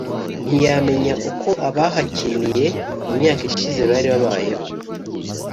ntiyamenya uko abahakiniye mu myaka ishize bari babayeho